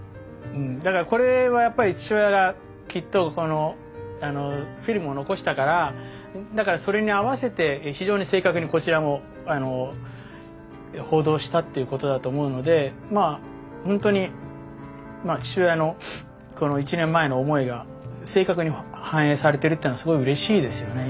だからこれはやっぱり父親がきっとこのフィルムを残したからだからそれに合わせて非常に正確にこちらも報道したっていうことだと思うのでまあほんとに父親のこの１年前の思いが正確に反映されてるというのはすごいうれしいですよね。